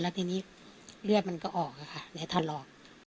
แล้วทีนี้เลือดมันก็ออกค่ะในทันรอบ